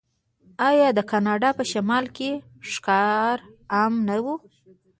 آیا د کاناډا په شمال کې ښکار عام نه و؟